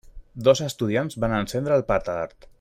Dos estudiants van encendre el petard.